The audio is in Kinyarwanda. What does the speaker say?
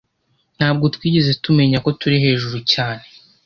Ntabwo twigeze tumenya ko turi hejuru cyane.